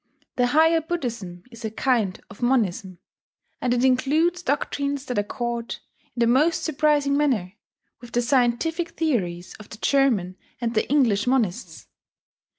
The higher Buddhism is a kind of Monism; and it includes doctrines that accord, in the most surprising manner, with the scientific theories of the German and the English monists.